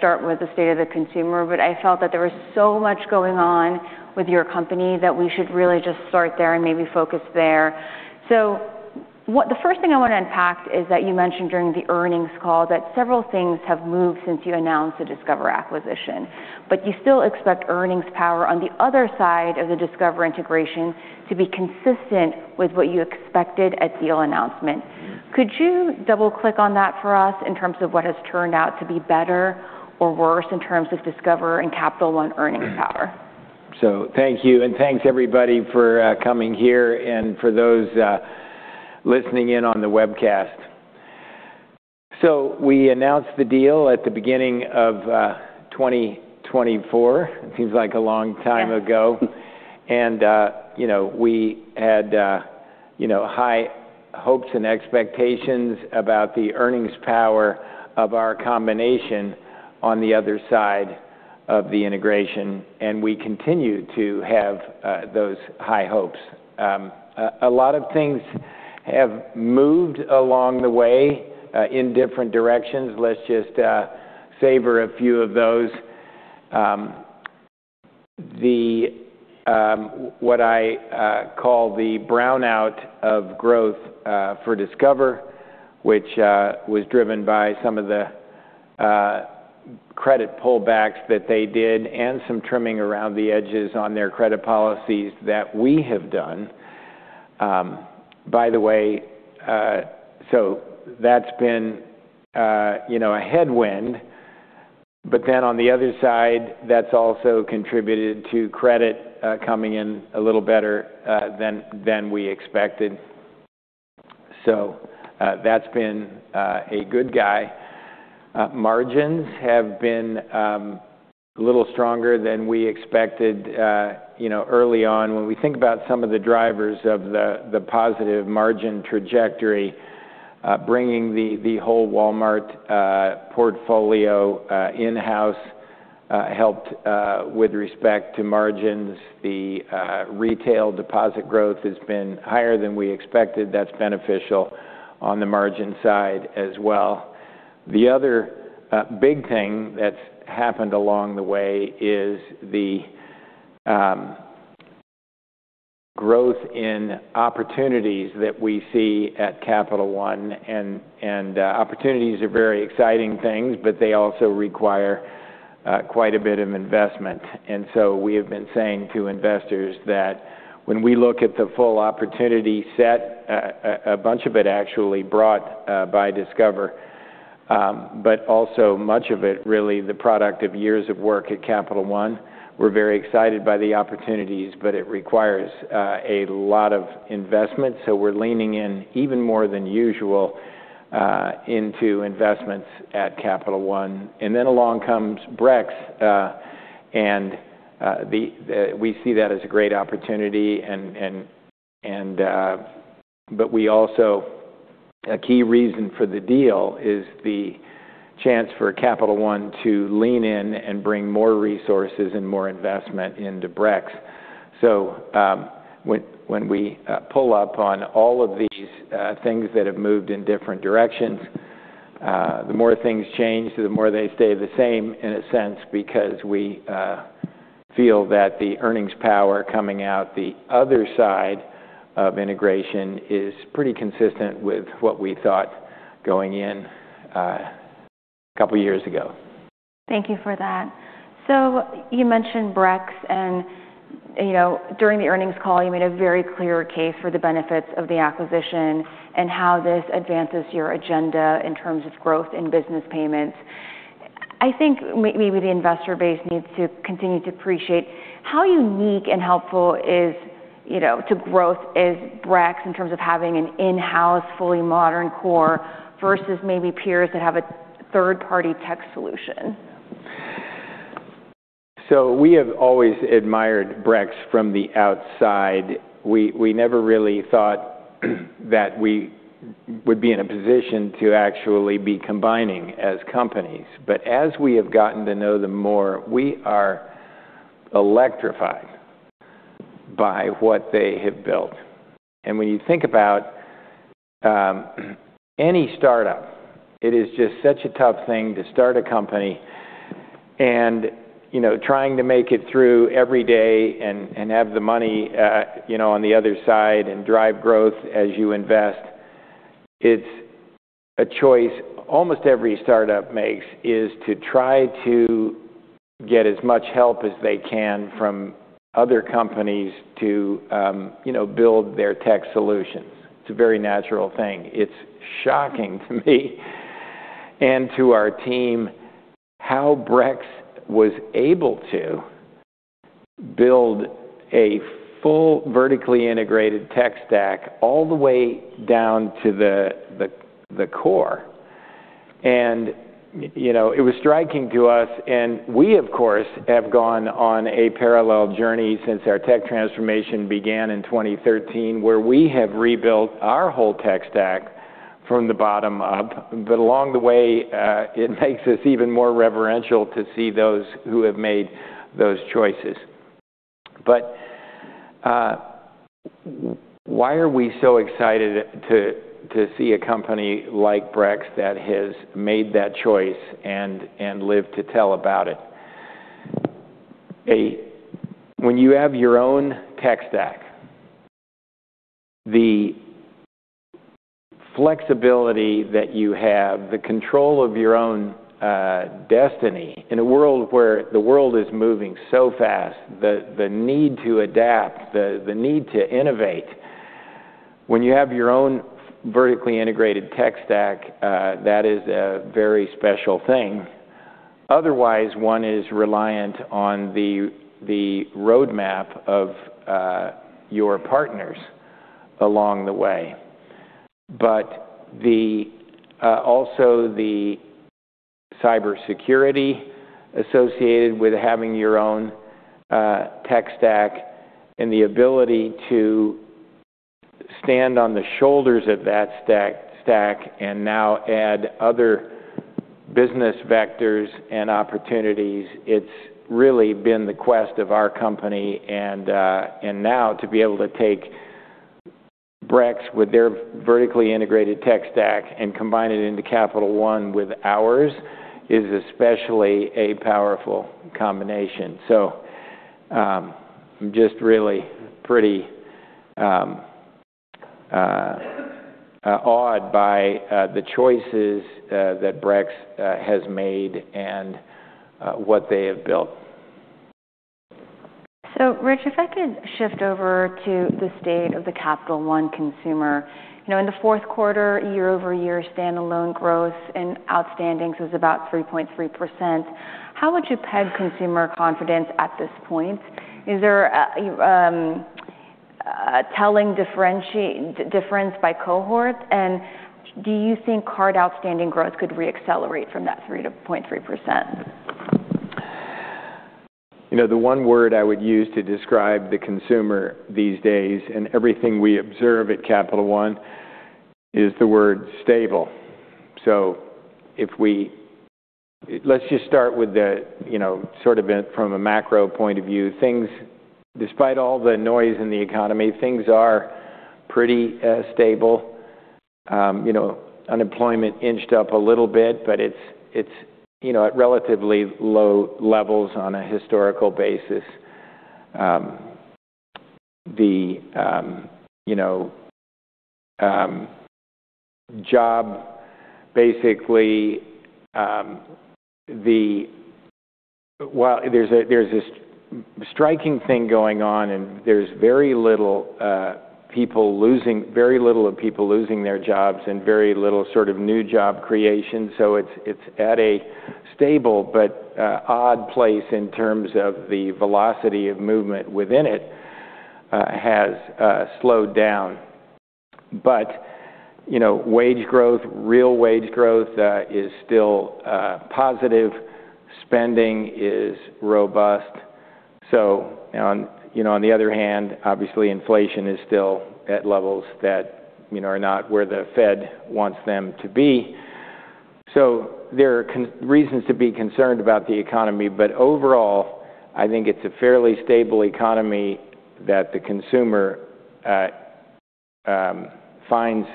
Start with the state of the consumer, but I felt that there was so much going on with your company that we should really just start there and maybe focus there. So what the first thing I want to unpack is that you mentioned during the earnings call that several things have moved since you announced the Discover acquisition, but you still expect earnings power on the other side of the Discover integration to be consistent with what you expected at deal announcement. Could you double-click on that for us in terms of what has turned out to be better or worse in terms of Discover and Capital One earnings power? So thank you, and thanks everybody for coming here and for those listening in on the webcast. So we announced the deal at the beginning of 2024. It seems like a long time ago. You know, we had, you know, high hopes and expectations about the earnings power of our combination on the other side of the integration, and we continue to have those high hopes. A lot of things have moved along the way in different directions. Let's just savor a few of those. What I call the brownout of growth for Discover, which was driven by some of the credit pullbacks that they did and some trimming around the edges on their credit policies that we have done. By the way, so that's been, you know, a headwind. But then on the other side, that's also contributed to credit coming in a little better than we expected. So that's been a good year. Margins have been a little stronger than we expected, you know, early on. When we think about some of the drivers of the positive margin trajectory, bringing the whole Walmart portfolio in-house helped with respect to margins. The retail deposit growth has been higher than we expected. That's beneficial on the margin side as well. The other big thing that's happened along the way is the growth in opportunities that we see at Capital One. And opportunities are very exciting things, but they also require quite a bit of investment. And so we have been saying to investors that when we look at the full opportunity set, a bunch of it actually brought by Discover, but also much of it really the product of years of work at Capital One. We're very excited by the opportunities, but it requires a lot of investment. So we're leaning in even more than usual into investments at Capital One. And then along comes Brex, and we see that as a great opportunity. But we also, a key reason for the deal is the chance for Capital One to lean in and bring more resources and more investment into Brex. So when we pull up on all of these things that have moved in different directions, the more things change, the more they stay the same in a sense because we feel that the earnings power coming out the other side of integration is pretty consistent with what we thought going in a couple of years ago. Thank you for that. So you mentioned Brex, and, you know, during the earnings call, you made a very clear case for the benefits of the acquisition and how this advances your agenda in terms of growth in business payments. I think maybe the investor base needs to continue to appreciate how unique and helpful is, you know, to growth is Brex in terms of having an in-house, fully modern core versus maybe peers that have a third-party tech solution. So we have always admired Brex from the outside. We never really thought that we would be in a position to actually be combining as companies. But as we have gotten to know them more, we are electrified by what they have built. And when you think about any startup, it is just such a tough thing to start a company and, you know, trying to make it through every day and have the money, you know, on the other side and drive growth as you invest. It's a choice almost every startup makes is to try to get as much help as they can from other companies to, you know, build their tech solutions. It's a very natural thing. It's shocking to me and to our team how Brex was able to build a full vertically integrated tech stack all the way down to the core. You know, it was striking to us. And we, of course, have gone on a parallel journey since our tech transformation began in 2013 where we have rebuilt our whole tech stack from the bottom up. But along the way, it makes us even more reverential to see those who have made those choices. But why are we so excited to see a company like Brex that has made that choice and live to tell about it? When you have your own tech stack, the flexibility that you have, the control of your own destiny in a world where the world is moving so fast, the need to adapt, the need to innovate, when you have your own vertically integrated tech stack, that is a very special thing. Otherwise, one is reliant on the roadmap of your partners along the way. But also the cybersecurity associated with having your own tech stack and the ability to stand on the shoulders of that stack and now add other business vectors and opportunities, it's really been the quest of our company. And now to be able to take Brex with their vertically integrated tech stack and combine it into Capital One with ours is especially a powerful combination. So I'm just really pretty awed by the choices that Brex has made and what they have built. So Rich, if I could shift over to the state of the Capital One consumer. You know, in the fourth quarter, year-over-year, standalone growth in outstandings was about 3.3%. How would you peg consumer confidence at this point? Is there a telling difference by cohort? And do you think card outstanding growth could reaccelerate from that 3.3%? You know, the one word I would use to describe the consumer these days and everything we observe at Capital One is the word stable. So if we let's just start with the, you know, sort of from a macro point of view. Despite all the noise in the economy, things are pretty stable. You know, unemployment inched up a little bit, but it's, you know, at relatively low levels on a historical basis. The, you know, job basically while there's this striking thing going on and there's very little people losing their jobs and very little sort of new job creation. So it's at a stable but odd place in terms of the velocity of movement within it has slowed down. But, you know, wage growth, real wage growth is still positive. Spending is robust. So on the other hand, obviously, inflation is still at levels that, you know, are not where the Fed wants them to be. So there are reasons to be concerned about the economy. But overall, I think it's a fairly stable economy that the consumer finds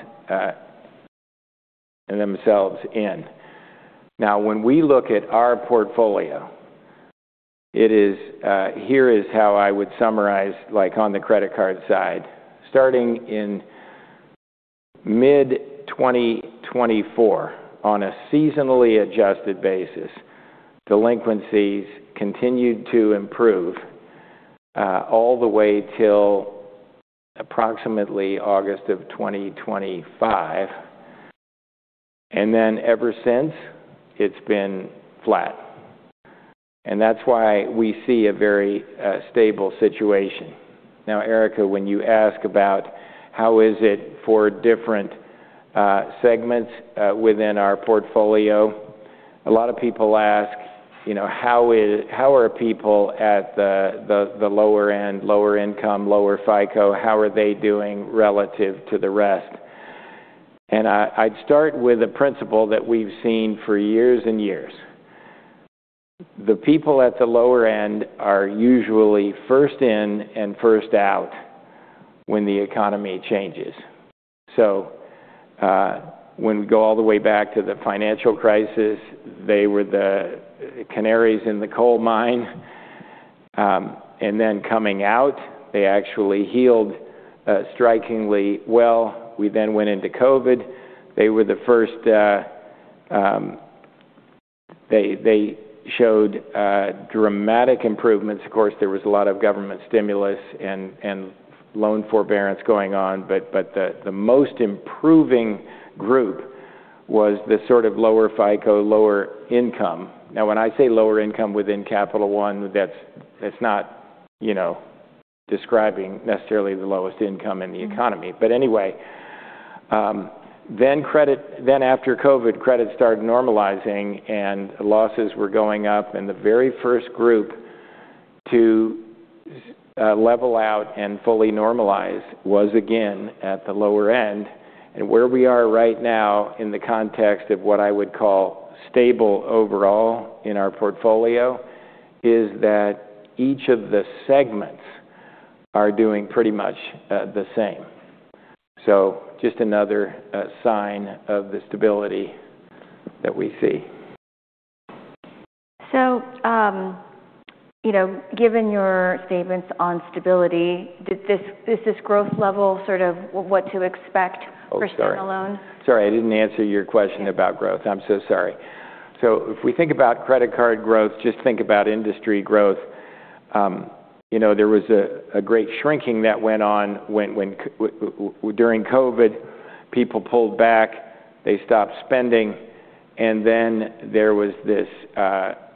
themselves in. Now, when we look at our portfolio, it is, here is how I would summarize, like, on the credit card side. Starting in mid-2024, on a seasonally adjusted basis, delinquencies continued to improve all the way till approximately August of 2025. And then ever since, it's been flat. And that's why we see a very stable situation. Now, Erica, when you ask about how is it for different segments within our portfolio, a lot of people ask, you know, how are people at the lower end, lower income, lower FICO, how are they doing relative to the rest? I'd start with a principle that we've seen for years and years. The people at the lower end are usually first in and first out when the economy changes. So when we go all the way back to the financial crisis, they were the canaries in the coal mine. And then coming out, they actually healed strikingly well. We then went into COVID. They were the first. They showed dramatic improvements. Of course, there was a lot of government stimulus and loan forbearance going on. But the most improving group was the sort of lower FICO, lower income. Now, when I say lower income within Capital One, that's not, you know, describing necessarily the lowest income in the economy. But anyway, then after COVID, credit started normalizing and losses were going up. And the very first group to level out and fully normalize was again at the lower end. Where we are right now in the context of what I would call stable overall in our portfolio is that each of the segments are doing pretty much the same. Just another sign of the stability that we see. You know, given your statements on stability, is this growth level sort of what to expect for standalone? Oh, sorry. Sorry, I didn't answer your question about growth. I'm so sorry. So if we think about credit card growth, just think about industry growth. You know, there was a great shrinking that went on during COVID. People pulled back. They stopped spending. And then there was this,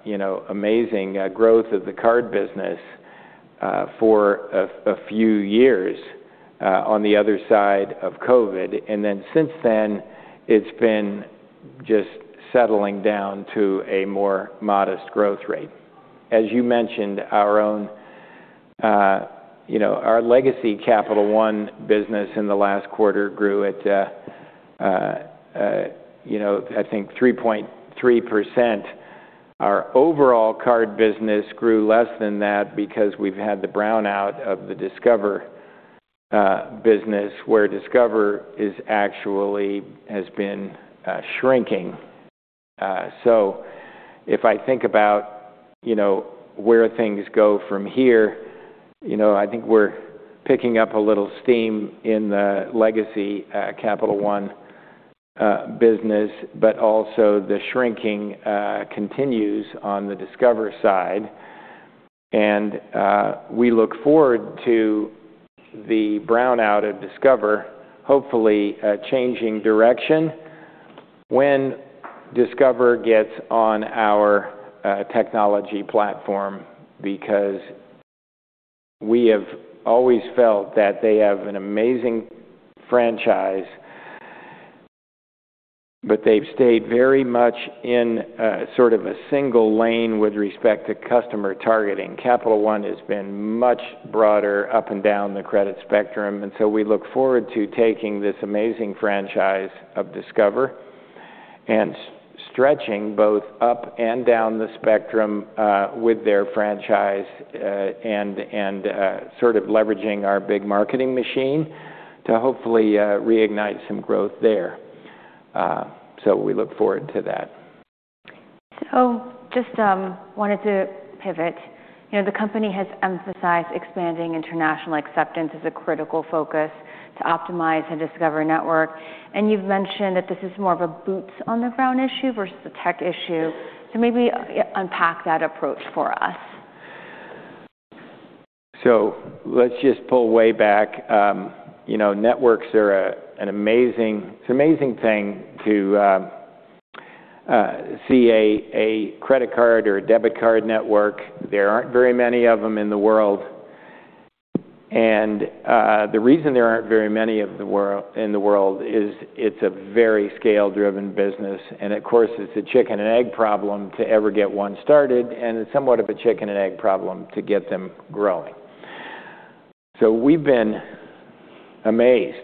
you know, amazing growth of the card business for a few years on the other side of COVID. And then since then, it's been just settling down to a more modest growth rate. As you mentioned, our own, you know, our legacy Capital One business in the last quarter grew at, you know, I think 3.3%. Our overall card business grew less than that because we've had the brownout of the Discover business where Discover actually has been shrinking. So if I think about, you know, where things go from here, you know, I think we're picking up a little steam in the legacy Capital One business. But also the shrinking continues on the Discover side. And we look forward to the turnaround of Discover, hopefully changing direction when Discover gets on our technology platform because we have always felt that they have an amazing franchise. But they've stayed very much in sort of a single lane with respect to customer targeting. Capital One has been much broader up and down the credit spectrum. And so we look forward to taking this amazing franchise of Discover and stretching both up and down the spectrum with their franchise and sort of leveraging our big marketing machine to hopefully reignite some growth there. So we look forward to that. Just wanted to pivot. You know, the company has emphasized expanding international acceptance as a critical focus to optimize the Discover Network. You've mentioned that this is more of a boots-on-the-ground issue versus a tech issue. Maybe unpack that approach for us? So let's just pull way back. You know, networks are amazing. It's an amazing thing to see a credit card or a debit card network. There aren't very many of them in the world. And the reason there aren't very many in the world is it's a very scale-driven business. And of course, it's a chicken-and-egg problem to ever get one started. And it's somewhat of a chicken-and-egg problem to get them growing. So we've been amazed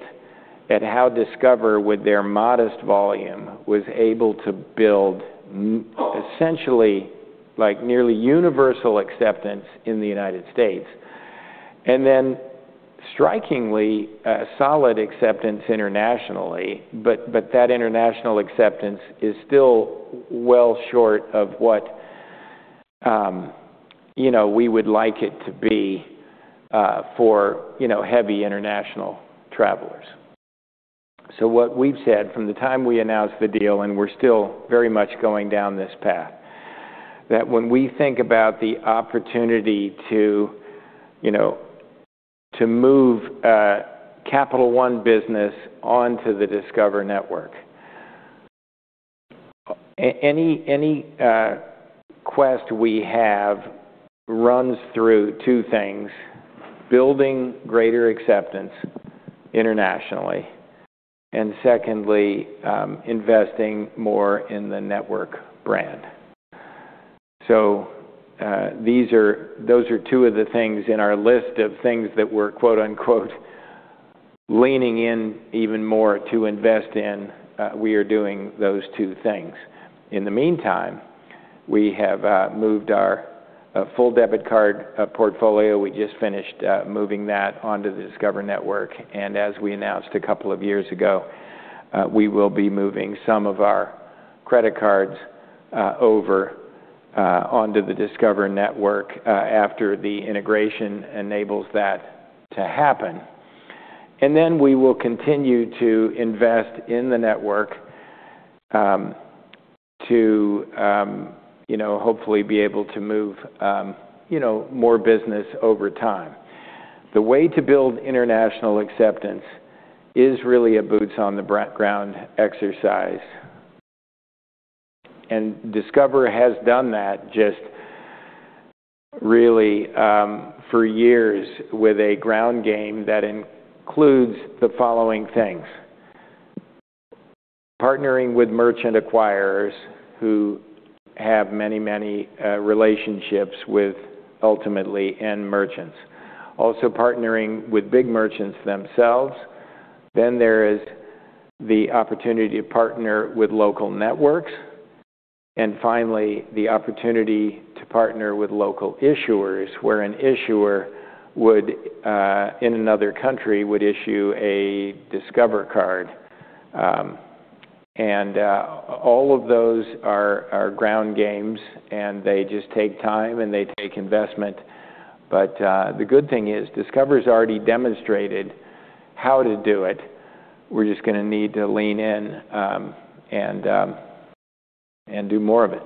at how Discover, with their modest volume, was able to build essentially like nearly universal acceptance in the United States. And then strikingly, solid acceptance internationally. But that international acceptance is still well short of what, you know, we would like it to be for, you know, heavy international travelers. So what we've said from the time we announced the deal and we're still very much going down this path, that when we think about the opportunity to, you know, to move Capital One business onto the Discover Network, any quest we have runs through two things: building greater acceptance internationally and secondly, investing more in the network brand. So those are two of the things in our list of things that we're "leaning in" even more to invest in. We are doing those two things. In the meantime, we have moved our full debit card portfolio. We just finished moving that onto the Discover Network. And as we announced a couple of years ago, we will be moving some of our credit cards over onto the Discover Network after the integration enables that to happen. Then we will continue to invest in the network to, you know, hopefully be able to move, you know, more business over time. The way to build international acceptance is really a boots-on-the-ground exercise. Discover has done that just really for years with a ground game that includes the following things: partnering with merchant acquirers who have many, many relationships with ultimately end merchants; also partnering with big merchants themselves; then there is the opportunity to partner with local networks; and finally, the opportunity to partner with local issuers where an issuer in another country would issue a Discover card. All of those are ground games. They just take time. They take investment. But the good thing is Discover has already demonstrated how to do it. We're just going to need to lean in and do more of it.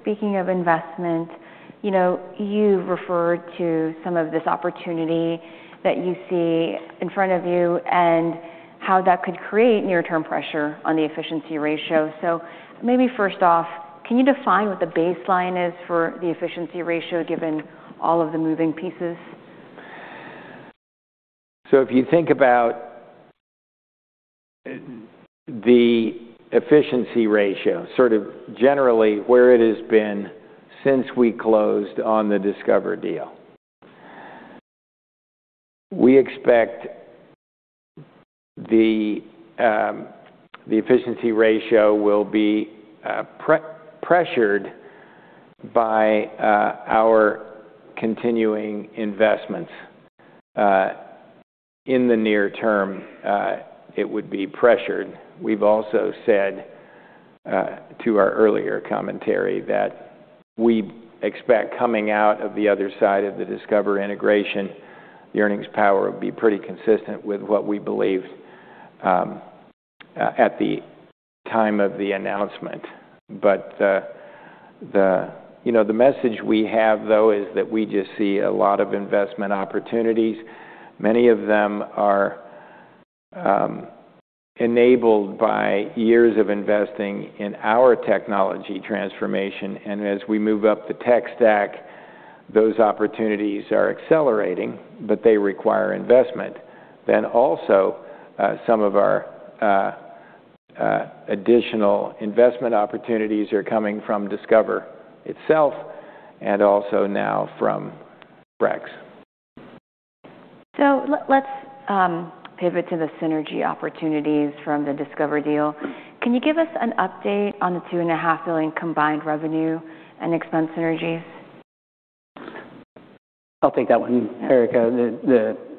Speaking of investment, you know, you referred to some of this opportunity that you see in front of you and how that could create near-term pressure on the efficiency ratio. Maybe first off, can you define what the baseline is for the efficiency ratio given all of the moving pieces? So if you think about the efficiency ratio, sort of generally where it has been since we closed on the Discover deal, we expect the efficiency ratio will be pressured by our continuing investments. In the near term, it would be pressured. We've also said to our earlier commentary that we expect coming out of the other side of the Discover integration, the earnings power would be pretty consistent with what we believed at the time of the announcement. But, you know, the message we have, though, is that we just see a lot of investment opportunities. Many of them are enabled by years of investing in our technology transformation. And as we move up the tech stack, those opportunities are accelerating. But they require investment. Then also, some of our additional investment opportunities are coming from Discover itself and also now from Brex. So let's pivot to the synergy opportunities from the Discover deal. Can you give us an update on the $2.5 billion combined revenue and expense synergies? I'll take that one, Erica.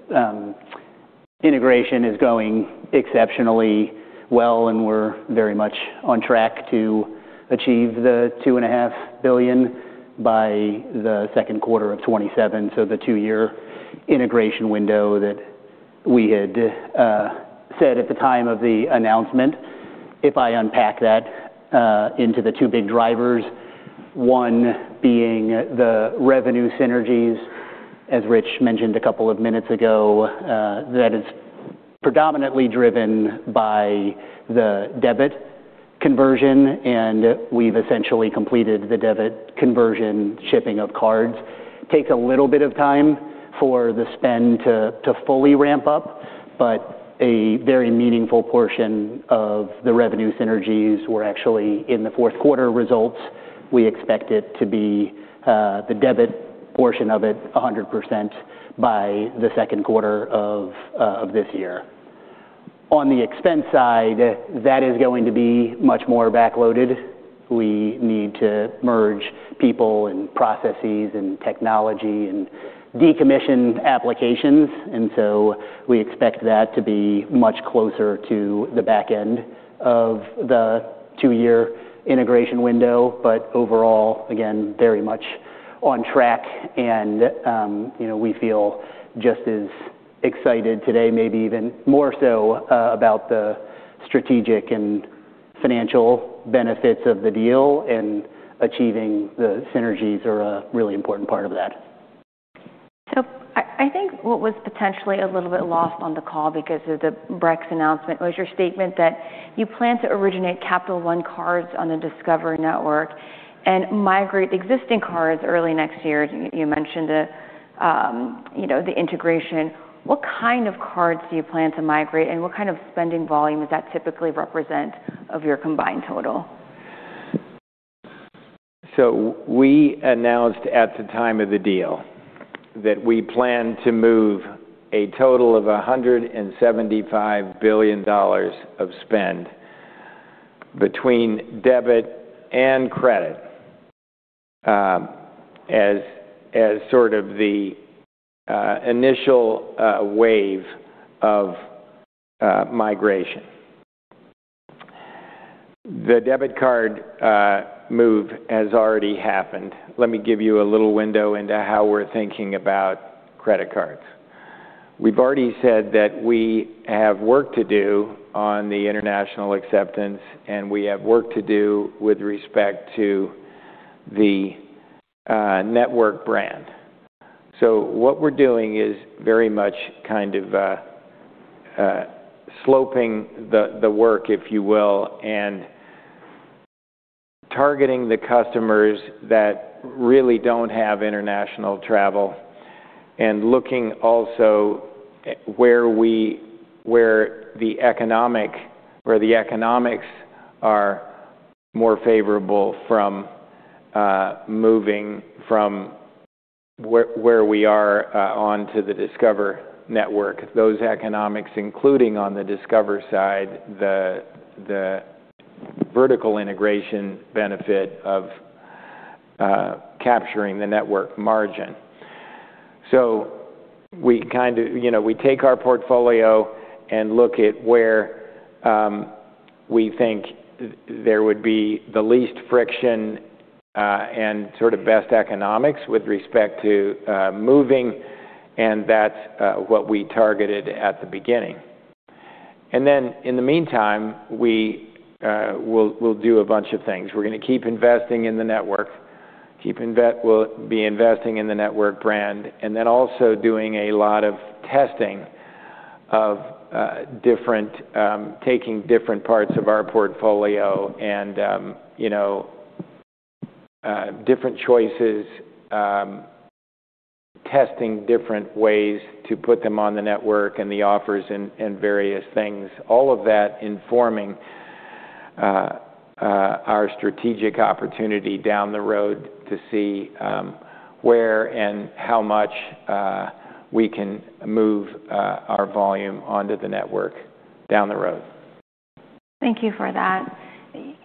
The integration is going exceptionally well. We're very much on track to achieve the $2.5 billion by the second quarter of 2027. The two-year integration window that we had said at the time of the announcement, if I unpack that into the two big drivers, one being the revenue synergies, as Rich mentioned a couple of minutes ago, that it's predominantly driven by the debit conversion. We've essentially completed the debit conversion shipping of cards. It takes a little bit of time for the spend to fully ramp up. A very meaningful portion of the revenue synergies were actually in the fourth quarter results. We expect it to be the debit portion of it 100% by the second quarter of this year. On the expense side, that is going to be much more backloaded. We need to merge people and processes and technology and decommission applications. And so we expect that to be much closer to the back end of the two-year integration window. But overall, again, very much on track. And, you know, we feel just as excited today, maybe even more so, about the strategic and financial benefits of the deal. And achieving the synergies are a really important part of that. So I think what was potentially a little bit lost on the call because of the Brex announcement was your statement that you plan to originate Capital One cards on the Discover network and migrate existing cards early next year. You mentioned the integration. What kind of cards do you plan to migrate? And what kind of spending volume does that typically represent of your combined total? So we announced at the time of the deal that we plan to move a total of $175 billion of spend between debit and credit as sort of the initial wave of migration. The debit card move has already happened. Let me give you a little window into how we're thinking about credit cards. We've already said that we have work to do on the international acceptance. And we have work to do with respect to the network brand. So what we're doing is very much kind of sloping the work, if you will, and targeting the customers that really don't have international travel and looking also where the economics are more favorable from moving from where we are onto the Discover Network, those economics, including on the Discover side, the vertical integration benefit of capturing the network margin. So we kind of, you know, we take our portfolio and look at where we think there would be the least friction and sort of best economics with respect to moving. And that's what we targeted at the beginning. And then in the meantime, we'll do a bunch of things. We're going to keep investing in the network, keep investing in the network brand, and then also doing a lot of testing of different taking different parts of our portfolio and, you know, different choices, testing different ways to put them on the network and the offers and various things, all of that informing our strategic opportunity down the road to see where and how much we can move our volume onto the network down the road. Thank you for that.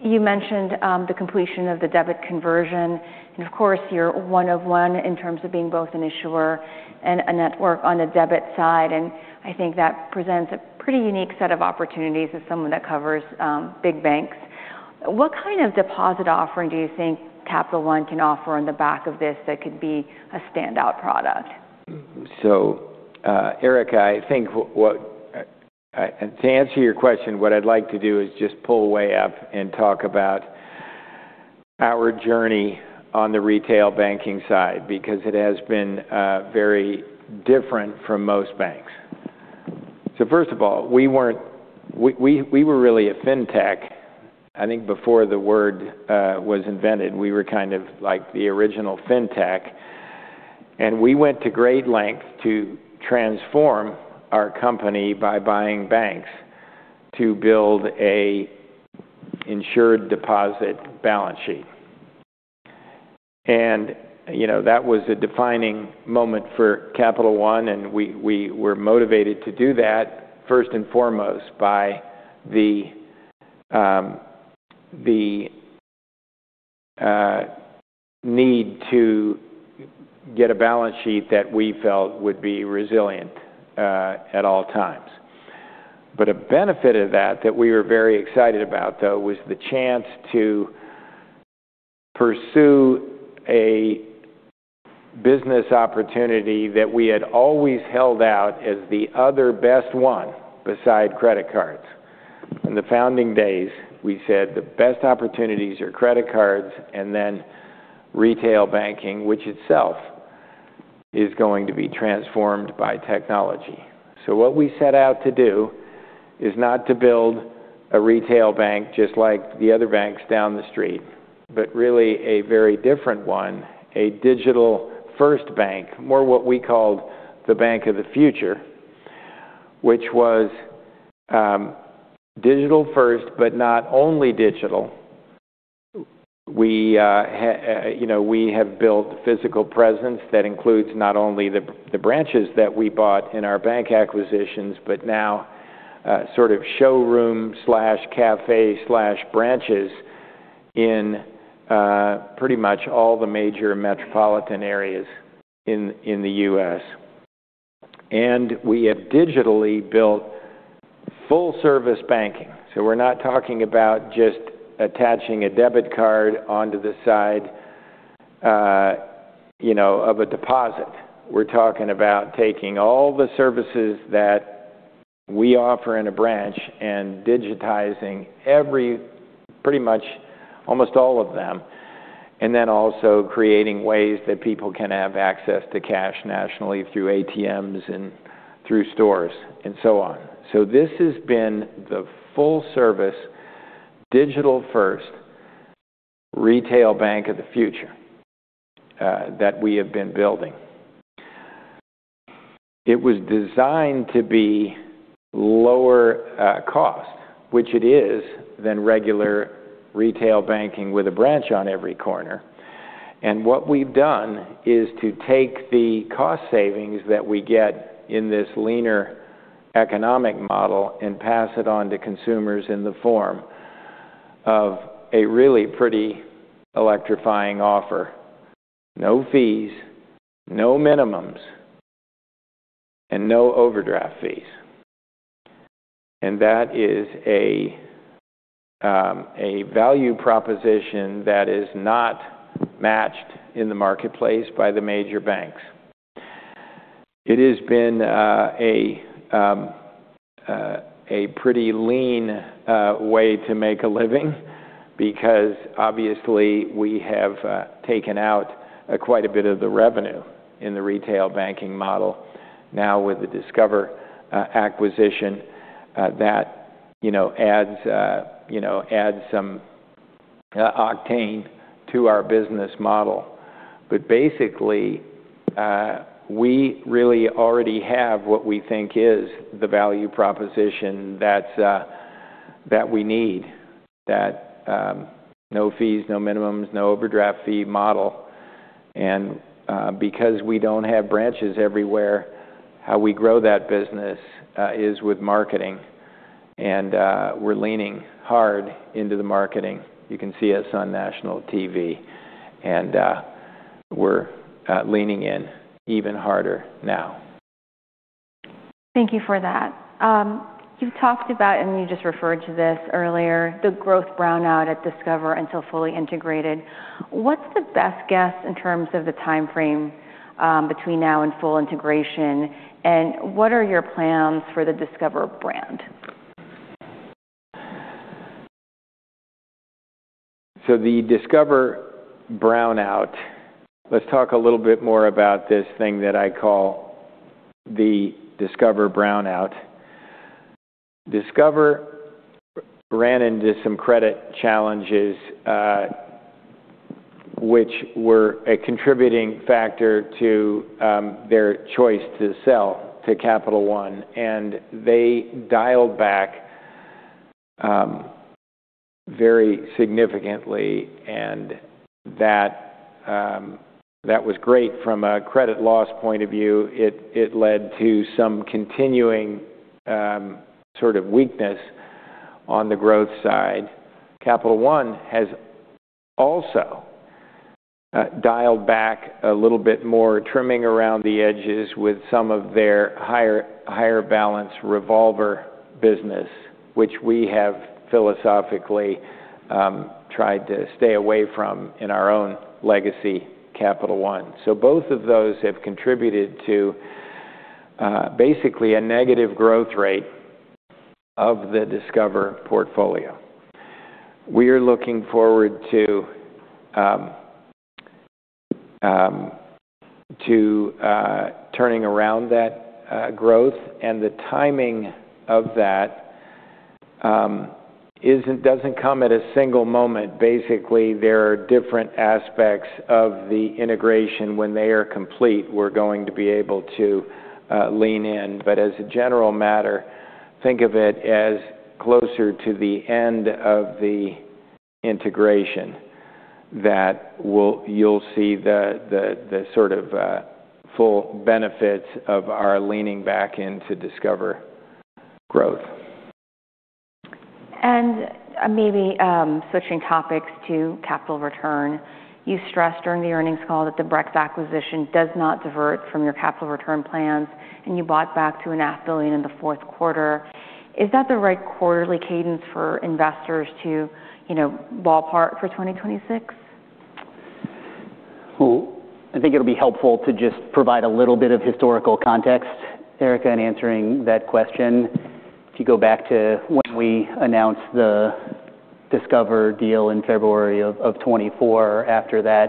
You mentioned the completion of the debit conversion. Of course, you're one of one in terms of being both an issuer and a network on the debit side. I think that presents a pretty unique set of opportunities as someone that covers big banks. What kind of deposit offering do you think Capital One can offer on the back of this that could be a standout product? So Erica, I think to answer your question, what I'd like to do is just pull way up and talk about our journey on the retail banking side because it has been very different from most banks. So first of all, we were really a fintech. I think before the word was invented, we were kind of like the original fintech. And we went to great lengths to transform our company by buying banks to build an insured deposit balance sheet. And, you know, that was a defining moment for Capital One. And we were motivated to do that first and foremost by the need to get a balance sheet that we felt would be resilient at all times. But a benefit of that that we were very excited about, though, was the chance to pursue a business opportunity that we had always held out as the other best one beside credit cards. In the founding days, we said the best opportunities are credit cards and then retail banking, which itself is going to be transformed by technology. So what we set out to do is not to build a retail bank just like the other banks down the street, but really a very different one, a digital-first bank, more what we called the bank of the future, which was digital-first but not only digital. We, you know, we have built physical presence that includes not only the branches that we bought in our bank acquisitions but now sort of showroom/cafe/branches in pretty much all the major metropolitan areas in the U.S. And we have digitally built full-service banking. We're not talking about just attaching a debit card onto the side, you know, of a deposit. We're talking about taking all the services that we offer in a branch and digitizing every pretty much almost all of them and then also creating ways that people can have access to cash nationally through ATMs and through stores and so on. This has been the full-service, digital-first retail bank of the future that we have been building. It was designed to be lower cost, which it is, than regular retail banking with a branch on every corner. What we've done is to take the cost savings that we get in this leaner economic model and pass it on to consumers in the form of a really pretty electrifying offer, no fees, no minimums, and no overdraft fees. That is a value proposition that is not matched in the marketplace by the major banks. It has been a pretty lean way to make a living because obviously, we have taken out quite a bit of the revenue in the retail banking model now with the Discover acquisition that, you know, adds, you know, adds some octane to our business model. But basically, we really already have what we think is the value proposition that we need, that no fees, no minimums, no overdraft fee model. And because we don't have branches everywhere, how we grow that business is with marketing. And we're leaning hard into the marketing. You can see us on national TV. And we're leaning in even harder now. Thank you for that. You've talked about, and you just referred to this earlier, the growth brownout at Discover until fully integrated. What's the best guess in terms of the time frame between now and full integration? And what are your plans for the Discover brand? So the Discover brownout, let's talk a little bit more about this thing that I call the Discover brownout. Discover ran into some credit challenges, which were a contributing factor to their choice to sell to Capital One. And they dialed back very significantly. And that was great from a credit loss point of view. It led to some continuing sort of weakness on the growth side. Capital One has also dialed back a little bit more, trimming around the edges with some of their higher balance revolver business, which we have philosophically tried to stay away from in our own legacy Capital One. So both of those have contributed to basically a negative growth rate of the Discover portfolio. We are looking forward to turning around that growth. And the timing of that doesn't come at a single moment. Basically, there are different aspects of the integration. When they are complete, we're going to be able to lean in. But as a general matter, think of it as closer to the end of the integration that you'll see the sort of full benefits of our leaning back into Discover growth. Maybe switching topics to capital return, you stressed during the earnings call that the Brex acquisition does not divert from your capital return plans. You bought back $2.5 billion in the fourth quarter. Is that the right quarterly cadence for investors to, you know, ballpark for 2026? Well, I think it'll be helpful to just provide a little bit of historical context, Erica, in answering that question. If you go back to when we announced the Discover deal in February of 2024, after that,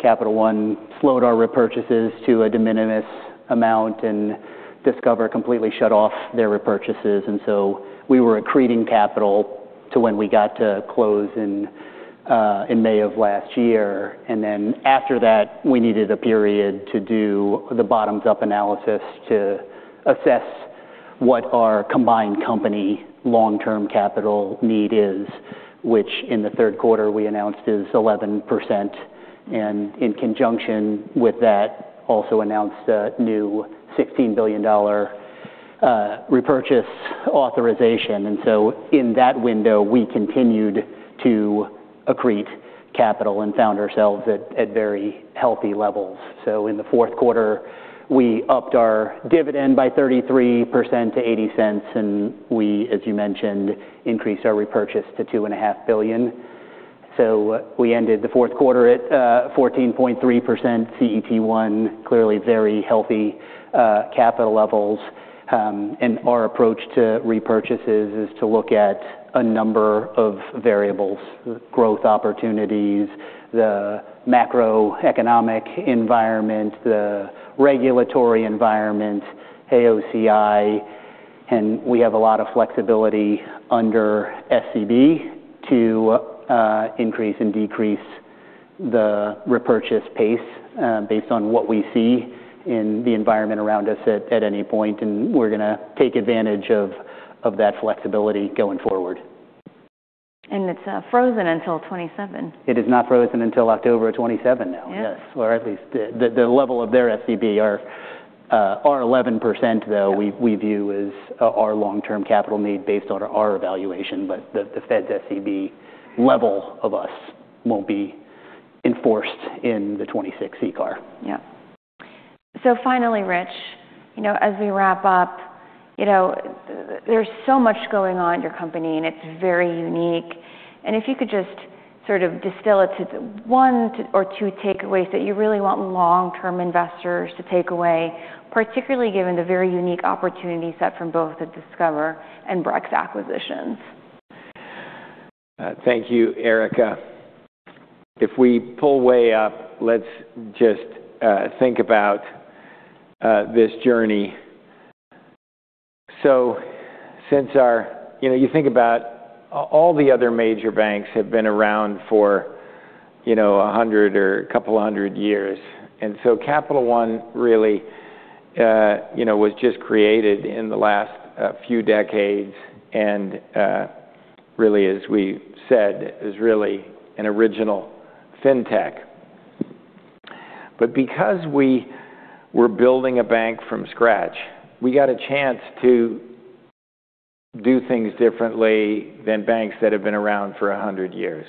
Capital One slowed our repurchases to a de minimis amount. Discover completely shut off their repurchases. So we were accreting capital to when we got to close in May of last year. Then after that, we needed a period to do the bottoms-up analysis to assess what our combined company long-term capital need is, which in the third quarter, we announced is 11%. And in conjunction with that, also announced a new $16 billion repurchase authorization. So in that window, we continued to accrete capital and found ourselves at very healthy levels. In the fourth quarter, we upped our dividend by 33% to $0.80. We, as you mentioned, increased our repurchase to $2.5 billion. We ended the fourth quarter at 14.3% CET1, clearly very healthy capital levels. Our approach to repurchases is to look at a number of variables: the growth opportunities, the macroeconomic environment, the regulatory environment, AOCI. We have a lot of flexibility under SCB to increase and decrease the repurchase pace based on what we see in the environment around us at any point. We're going to take advantage of that flexibility going forward. It's frozen until 2027. It is not frozen until October of 2027 now, yes, or at least the level of their SCB. Our 11%, though, we view as our long-term capital need based on our evaluation. But the Fed's SCB level of us won't be enforced in the 2026 CCAR. Yeah. So finally, Rich, you know, as we wrap up, you know, there's so much going on at your company. It's very unique. If you could just sort of distill it to one or two takeaways that you really want long-term investors to take away, particularly given the very unique opportunity set from both the Discover and Brex acquisitions. Thank you, Erica. If we pull way up, let's just think about this journey. So since our, you know, you think about all the other major banks have been around for, you know, 100 or a couple hundred years. And so Capital One really, you know, was just created in the last few decades. And really, as we said, is really an original fintech. But because we were building a bank from scratch, we got a chance to do things differently than banks that have been around for 100 years.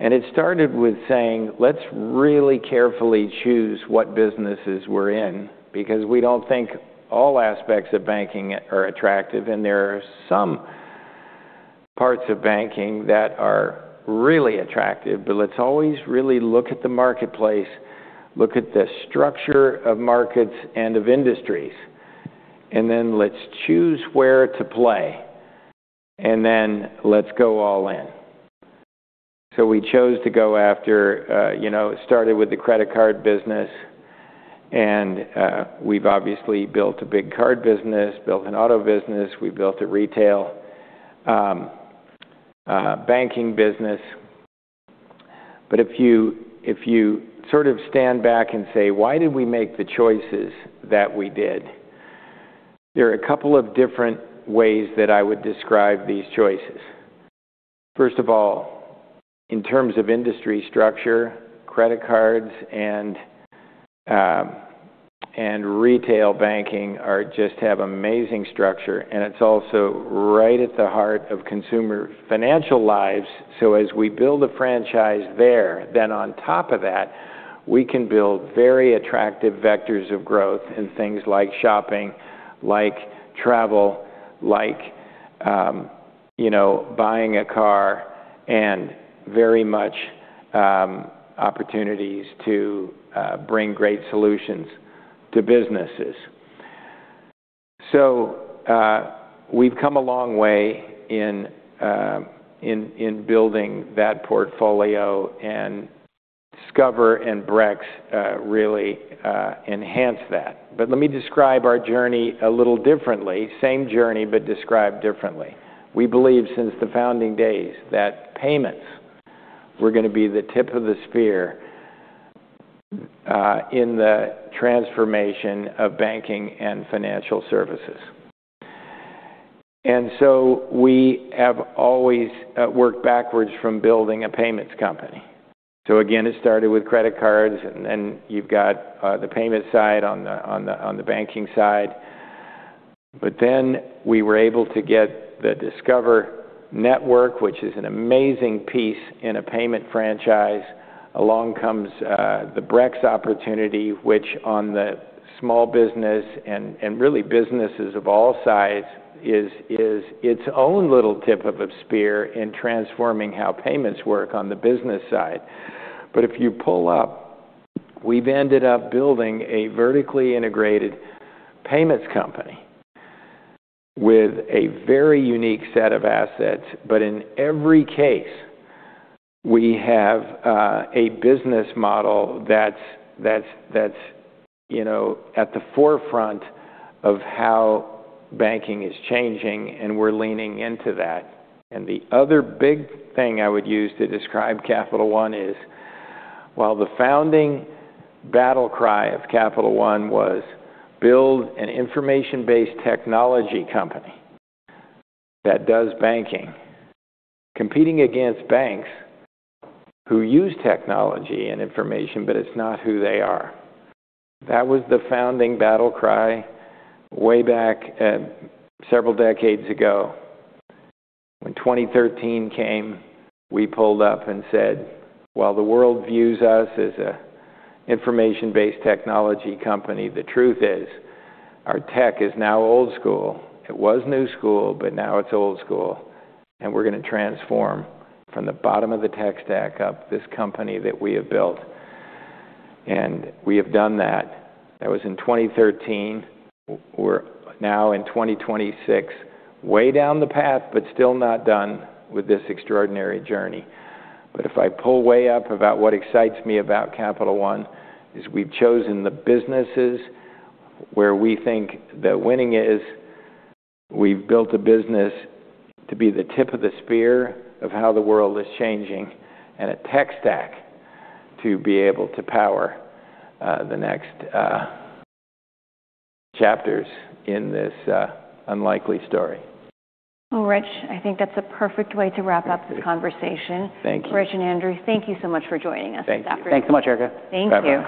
And it started with saying, let's really carefully choose what businesses we're in because we don't think all aspects of banking are attractive. And there are some parts of banking that are really attractive. But let's always really look at the marketplace, look at the structure of markets and of industries. And then let's choose where to play. And then let's go all in. So we chose to go after, you know, it started with the credit card business. And we've obviously built a big card business, built an auto business. We built a retail banking business. But if you sort of stand back and say, why did we make the choices that we did? There are a couple of different ways that I would describe these choices. First of all, in terms of industry structure, credit cards and retail banking just have amazing structure. And it's also right at the heart of consumer financial lives. So as we build a franchise there, then on top of that, we can build very attractive vectors of growth in things like shopping, like travel, like, you know, buying a car, and very much opportunities to bring great solutions to businesses. So we've come a long way in building that portfolio. Discover and Brex really enhanced that. But let me describe our journey a little differently, same journey, but described differently. We believe since the founding days that payments were going to be the tip of the spear in the transformation of banking and financial services. So we have always worked backwards from building a payments company. Again, it started with credit cards. Then you've got the payment side on the banking side. But then we were able to get the Discover Network, which is an amazing piece in a payment franchise. Along comes the Brex opportunity, which on the small business and really businesses of all sides is its own little tip of a spear in transforming how payments work on the business side. But if you pull up, we've ended up building a vertically integrated payments company with a very unique set of assets. But in every case, we have a business model that's, you know, at the forefront of how banking is changing. And we're leaning into that. And the other big thing I would use to describe Capital One is while the founding battle cry of Capital One was build an information-based technology company that does banking, competing against banks who use technology and information, but it's not who they are, that was the founding battle cry way back several decades ago. When 2013 came, we pulled up and said, while the world views us as an information-based technology company, the truth is our tech is now old school. It was new school. But now it's old school. And we're going to transform from the bottom of the tech stack up this company that we have built. And we have done that. That was in 2013. We're now in 2026, way down the path, but still not done with this extraordinary journey. But if I pull way up about what excites me about Capital One is we've chosen the businesses where we think the winning is. We've built a business to be the tip of the spear of how the world is changing and a tech stack to be able to power the next chapters in this unlikely story. Well, Rich, I think that's a perfect way to wrap up this conversation. Thank you. Rich and Andrew, thank you so much for joining us this afternoon. Thanks so much, Erica. Thank you.